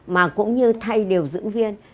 mà cũng như thay điều dưỡng viên